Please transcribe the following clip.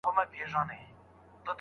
بېګناه یم نه په ژوند مي څوک وژلی